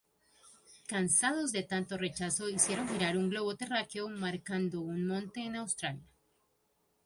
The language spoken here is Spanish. Cansados de tanto rechazo hicieron girar un globo terráqueo marcando un monte en Australia.